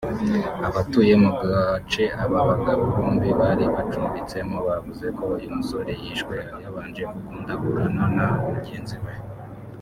Abatuye mu gace aba bagabo bombi bari bacumbitsemo bavuze ko uyu musore yishwe yabanje kugundagurana na mugenzi we